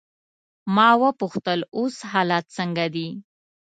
ما وپوښتل: اوس حالات څنګه دي؟